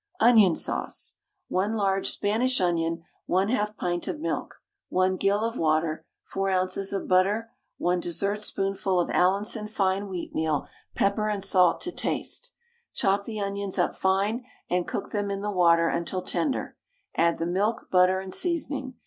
ONION SAUCE. 1 large Spanish onion, 1/2 pint of milk, 1 gill of water, 4 oz. of butter, 1 dessertspoonful of Allinson fine wheatmeal, pepper and salt to taste. Chop the onions up fine, and cook them in the water until tender, add the milk, butter and seasoning.